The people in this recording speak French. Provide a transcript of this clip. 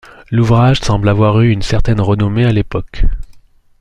L'ouvrage semble avoir eu une certaine renommée à l'époque.